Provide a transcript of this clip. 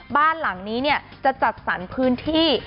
บ้านหลังนี้เนี่ยจะจัดสรรคืนที่